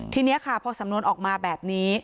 ทีนี้ค่ะพอสำนวนออกมาแบบนี้